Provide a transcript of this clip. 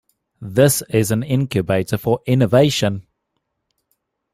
This is an incubator for innovation.